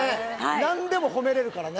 何でも褒めれるからね